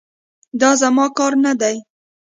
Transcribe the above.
دا زما کار نه دی.